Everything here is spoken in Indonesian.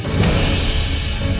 gimana kita akan menikmati rena